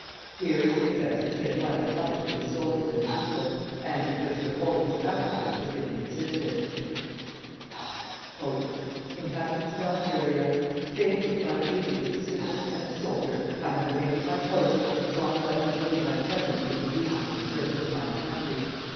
Here is the address which he at once published to his soldiers and the people, and with which the whole of his after life has been consistent: Inhabitants of Algeria! Faithful to my duties as a citizen and a soldier, I have remained at my post as long as I could believe my presence would be useful in the service of my country.